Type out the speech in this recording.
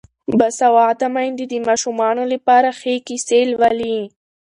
باسواده میندې د ماشومانو لپاره ښې کیسې لولي.